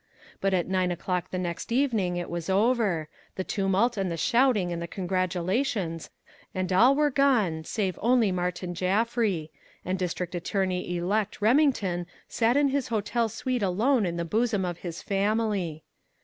But at nine o'clock the next evening it was over the tumult and the shouting and the congratulations and all were gone save only Martin Jaffry; and District Attorney Elect Remington sat in his hotel suite alone in the bosom of his family.